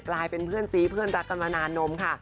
กลายเป็นเพื่อนซีเพื่อนรักกันมานานนมค่ะ